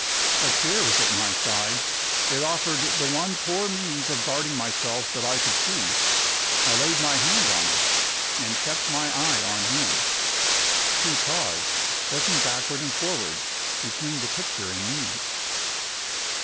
A chair was at my side; it offered the one poor means of guarding myself that I could see. I laid my hand on it, and kept my eye on him. He paused, looking backward and forward between the picture and me.